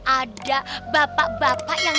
ada bapak bapak yang